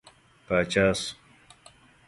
پاچا شو.